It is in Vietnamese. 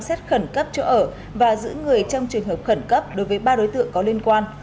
xét khẩn cấp chỗ ở và giữ người trong trường hợp khẩn cấp đối với ba đối tượng có liên quan